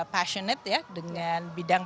passionate ya dengan bidang